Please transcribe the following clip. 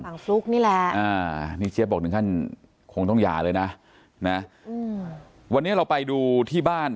ฟลุ๊กนี่แหละนี่เจ๊บอกถึงขั้นคงต้องหย่าเลยนะวันนี้เราไปดูที่บ้าน